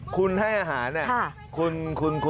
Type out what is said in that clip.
คุณให้อาหารเนี่ยคุณก็